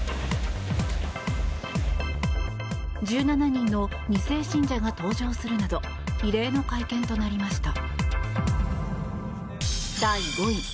１７人の２世信者が登場するなど異例の会見となりました。